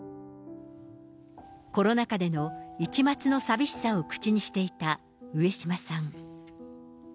コロナ禍での一抹の寂しさを口にしていた上島さん。